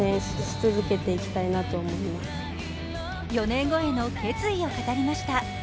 ４年後への決意を語りました。